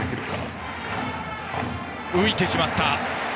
浮いてしまった。